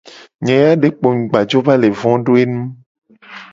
Nye ya de kpo mu gba jo va le vo do enu.